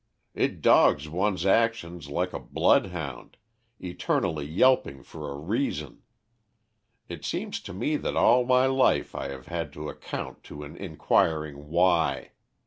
It dogs one's actions like a bloodhound, eternally yelping for a reason. It seems to me that a11 my life I have had to account to an inquiring why.